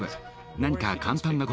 何か簡単な言葉